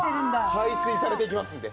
排水されていきますんで。